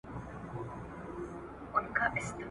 خدایه کله به یې واورم د بابا له مېني زېری ,